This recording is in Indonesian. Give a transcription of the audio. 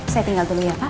saya tinggal dulu ya pak